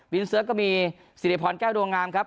วินเซิร์ฟก็มีสิริพรแก้วดวงามครับ